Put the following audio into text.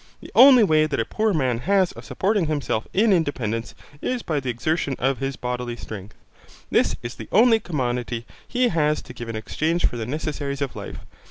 The only way that a poor man has of supporting himself in independence is by the exertion of his bodily strength. This is the only commodity he has to give in exchange for the necessaries of life.